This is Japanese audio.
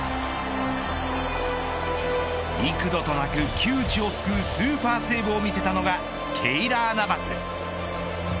幾度となく窮地を救うスーパーセーブを見せたのがケイラー・ナヴァス。